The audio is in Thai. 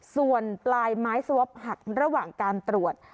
ส่วนปลายไม้สวอปหักระหว่างการตรวจ